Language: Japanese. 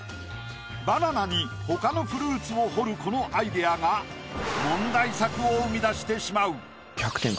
バナナにほかのフルーツを彫るこのアイディアが問題作を生み出してしまう。